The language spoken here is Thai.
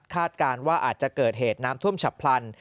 การว่าอาจจะเกิดเหตุน้ำท่วมฉับพลัน